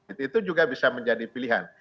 itu juga bisa menjadi pilihan